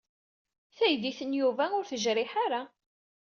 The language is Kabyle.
Taydit n Yuba ur tejriḥ ara.